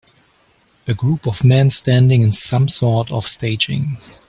A group of men standing on some sort of staging.